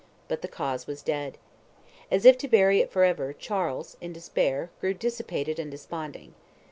But the cause was dead. As if to bury it for ever, Charles, in despair, grew dissipated and desponding.